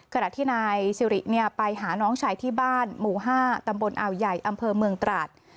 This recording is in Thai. ขณะที่นายสิริไปหาน้องชายที่บ้านหมู่๕ตำบลอาวใหญ่อำเภอเมืองตราด